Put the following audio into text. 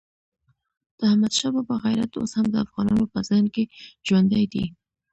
د احمدشاه بابا غیرت اوس هم د افغانانو په ذهن کې ژوندی دی.